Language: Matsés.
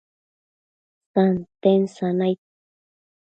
santen sanaid